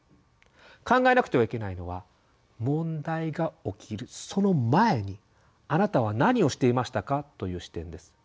考えなくてはいけないのは「問題が起きるその前にあなたは何をしていましたか？」という視点です。